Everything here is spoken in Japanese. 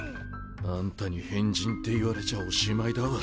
あんたに変人って言われちゃおしまいだわ。